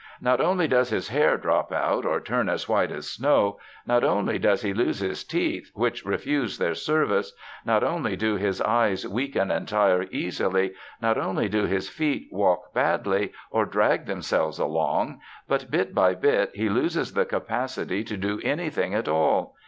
"Not only does his hair drop out, or turn as white as snow; not only does he lose his teeth, which refuse their service; not only do his eyes weaken and tire easily; not only do his feet walk badly, or drag themselves along, but, bit by bit, he loses the capacity to do anything at all.